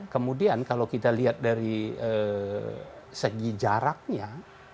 kemudian kalau kita lihat dari segi jaraknya